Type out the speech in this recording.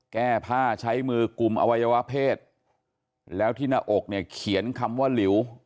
แก้ผ้าใช้มือกลุ่มอวัยวะเพศแล้วที่หน้าอกเนี่ยเขียนคำว่าหลิว